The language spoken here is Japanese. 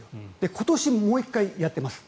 今年もう１回やっています。